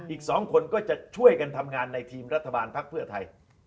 อีก๒คนก็จะช่วยกันทำงานในทีมรัฐบาลภักดิ์เพื่อไทย